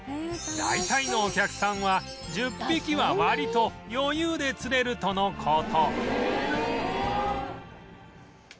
大体のお客さんは１０匹は割と余裕で釣れるとの事